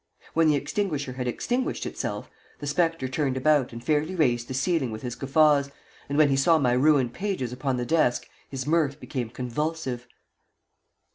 When the extinguisher had exhausted itself, the spectre turned about and fairly raised the ceiling with his guffaws, and when he saw my ruined pages upon the desk his mirth became convulsive.